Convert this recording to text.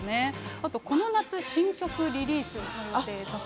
あとこの夏、新曲リリースの予定だと。